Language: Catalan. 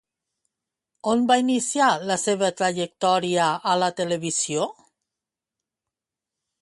On va iniciar la seva trajectòria a la televisió?